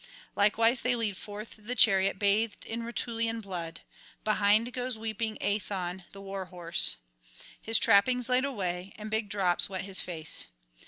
Likewise they lead forth the chariot bathed in Rutulian blood; behind goes weeping Aethon the war horse, his trappings laid away, and big drops wet his face.